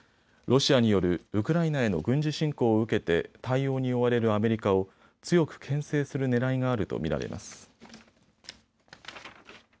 ロシアによるウクライナへの軍事侵攻を受けて対応に追われるアメリカを強くけん制するねらいがあると見られます。